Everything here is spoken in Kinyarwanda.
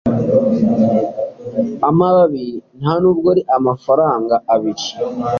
amababi ntanubwo ari amafaranga abiri